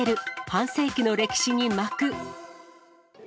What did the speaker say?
半世紀の歴史に幕。